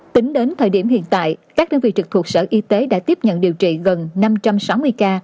tính đến thời điểm hiện tại các đơn vị trực thuộc sở y tế đã tiếp nhận điều trị gần năm trăm sáu mươi ca